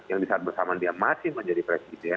yang di saat bersamaan dia masih mau jadi presiden